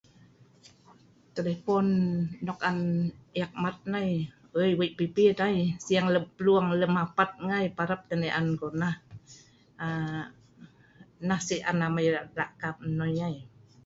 Telefon nok an ek mat nai, wei pipi nai siing lem pulung, lem apart ngai parab tah nai, nah si an amai lak kap nnoi ai